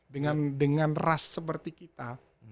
dengan ras seperti kita